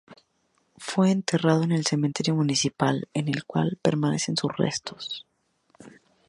Fue enterrado en el cementerio municipal, en el cual permanecen sus restos.